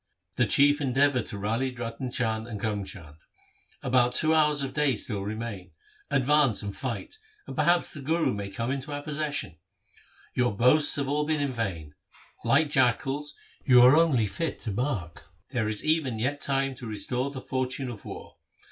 The Chief endeavoured to rally Ratan Chand and Karm Chand :—' About two hours of day still remain. Advance and fight, and perhaps the Guru may come into our possession. Your boasts have all been in vain. Like jackals you are only fit to bark. There is even yet time to restore the fortune of war.